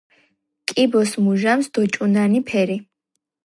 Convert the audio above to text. კიბოს მუჟამს დოჭუნანი ფერი